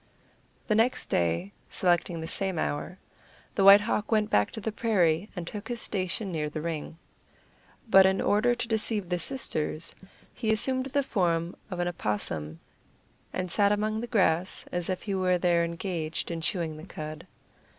The next day, selecting the same hour, the White Hawk went back to the prairie, and took his station near the ring. But in order to deceive the sisters, he assumed the form of an opossum, and sat among the grass as if he were there engaged in chewing the cud.